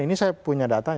ini saya punya data